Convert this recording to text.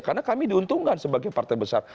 karena kami diuntungkan sebagai partai besar